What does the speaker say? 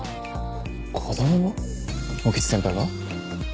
興津先輩が？